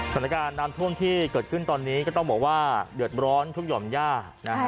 สถานการณ์น้ำท่วมที่เกิดขึ้นตอนนี้ก็ต้องบอกว่าเดือดร้อนทุกหย่อมย่านะฮะ